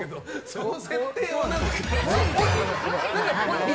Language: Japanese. その設定は何？